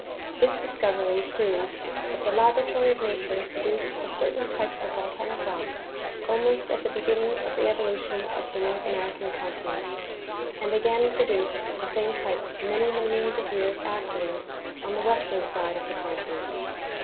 This discovery proves that the laboratory of nature produced a certain type of volcanic rock almost at the beginning of the evolution of the North American continent, and again produced the same tjq^e many millions of year.'^ afterward on the western side of the continent.